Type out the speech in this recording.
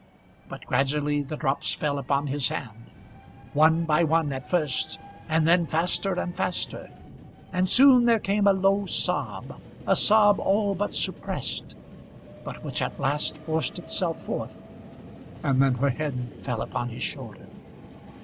But gradually the drops fell upon his hand, one by one at first, and then faster and faster; and soon there came a low sob, a sob all but suppressed, but which at last forced itself forth, and then her head fell upon his shoulder.